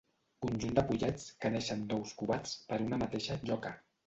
Conjunt de pollets que neixen d'ous covats per una mateixa lloca.